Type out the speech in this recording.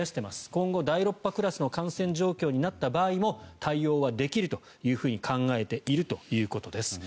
今後、第６波クラスの感染状況になった場合も対応はできると考えているということです。